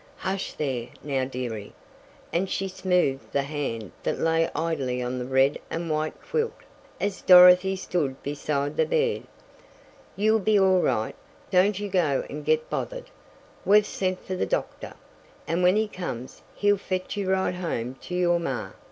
"Hush there, now, dearie," and she smoothed the hand that lay idly on the red and white quilt, as Dorothy stood beside the bed. "You'll be all right. Don't you go and get bothered. We've sent fer the doctor, and when he comes, he'll fetch you right home to your maw.